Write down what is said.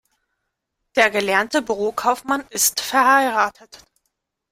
Der gelernte Büro-Kaufmann ist verheiratet.